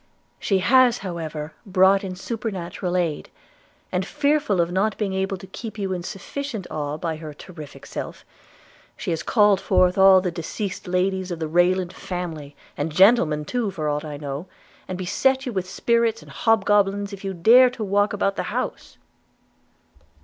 She has however brought in supernatural aid; and, fearful of not being able to keep you in sufficient awe by her terrific self, she has called forth all the deceased ladies of the Rayland family, and gentlemen too for aught I know, and beset you with spirits and hobgoblins if you dare to walk about the house.'